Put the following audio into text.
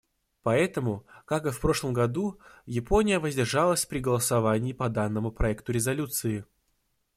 Поэтому, как и в прошлом году, Япония воздержалась при голосовании по данному проекту резолюции.